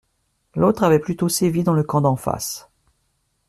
L’autre avait plutôt sévi dans le camp d’en face.